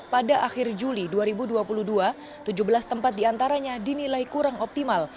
pada akhir juli dua ribu dua puluh dua tujuh belas tempat diantaranya dinilai kurang optimal